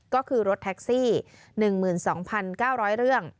ก็คือรถแท็กซี่หนึ่งหมื่นสองพันเก้าร้อยเรื่อง